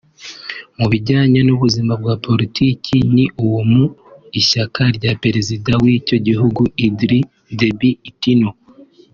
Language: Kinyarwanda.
Mu bijyanye n’ubuzima bwa politiki ni uwo mu ishyaka rya Perezida w’icyo gihugu Idriss Déby Itno